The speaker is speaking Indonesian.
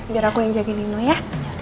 biar aku yang jagain nino ya